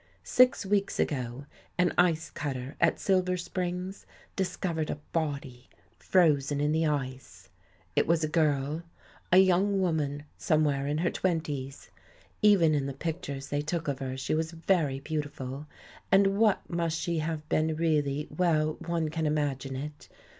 Six weeks ago an ice cutter at Silver Springs discovered a body frozen in the ice. It was a grl — a young woman somewhere in her twenties. Even in the picto£s they took of her, she was very very beauti ful.^' And what she must have been really, well, one tan imagine it!